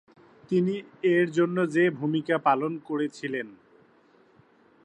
তিনি এর জন্য যে ভূমিকা পালন করেছিলেন।